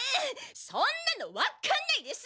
そんなのわかんないです！